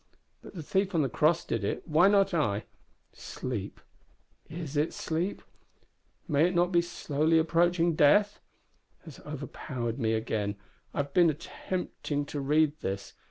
But the thief on the cross did it; why not I? Sleep is it sleep? may it not be slowly approaching death? has overpowered me again. I have been attempting to read this.